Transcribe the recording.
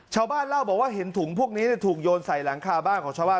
ชาวบ้านเล่าบอกว่าเห็นถุงพวกนี้ถูกโยนใส่หลังคาบ้านของชาวบ้าน